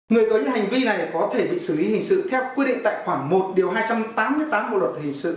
người có những hành vi này có thể bị xử lý hình sự theo quy định tại khoảng một điều hai trăm tám mươi tám bộ luật hình sự